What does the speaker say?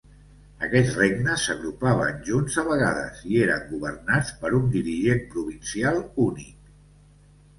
Aquests regnes s'agrupaven junts a vegades i eren governats per un dirigent provincial únic.